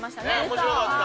面白かった。